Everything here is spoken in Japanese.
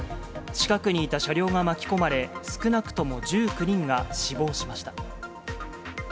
近くにいた車両が巻き込まれ、少なくとも１９人が死亡しました。